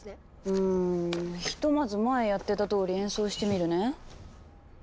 うんひとまず前やってたとおり演奏してみるね。